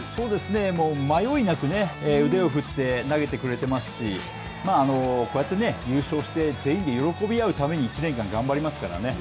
もう迷いなく、腕を振って投げてくれていますしこうやって優勝して、全員で喜び合うために１年間頑張りますからね。